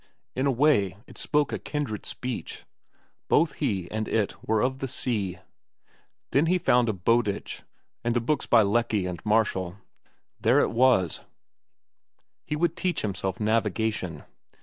In a way, it spoke a kindred speech. Both he and it were of the sea. Then he found a "Bowditch" and books by Lecky and Marshall. There it was; he would teach himself navigation.